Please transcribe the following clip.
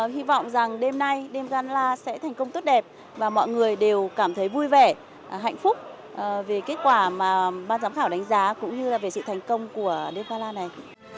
hy vọng rằng đêm nay đêm ganla sẽ thành công tốt đẹp và mọi người đều cảm thấy vui vẻ hạnh phúc về kết quả mà ban giám khảo đánh giá cũng như là về sự thành công của đêm pala này